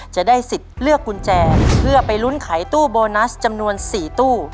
จะได้สิทธิ์เลือกกุญแจเพื่อไปลุ้นไขตู้โบนัสจำนวน๔ตู้